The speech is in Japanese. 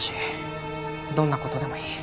どんな事でもいい。